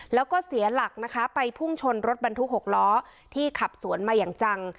แล้วก็เสียหลักนะคะไปพุ่งชนรถบรรทุก๖ล้อที่ขับสวนมาอย่างจัง